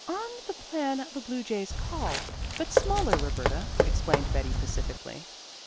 "On the plan of a blue jay's call, but smaller, Roberta," explained Betty pacifically.